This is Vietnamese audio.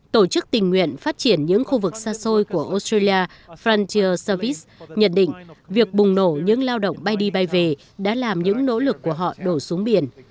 tổ chức tình nguyện phát triển những khu vực xa xôi của australia frantier savis nhận định việc bùng nổ những lao động bay đi bay về đã làm những nỗ lực của họ đổ xuống biển